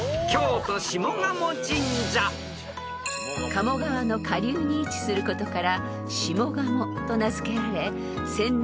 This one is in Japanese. ［鴨川の下流に位置することから下鴨と名付けられ］